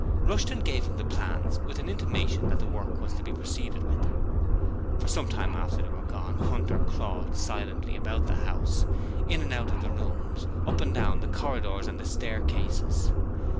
Rushton gave him the plans with an intimation that the work was to be proceeded with. For some time after they were gone, Hunter crawled silently about the house, in and out of the rooms, up and down the corridors and the staircases.